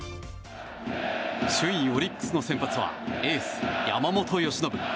首位オリックスの先発はエース、山本由伸。